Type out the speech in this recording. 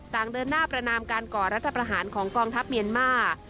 ต่างเดินหน้าประนามการก่อรัฐประหารของกองทัพเมียนมาร์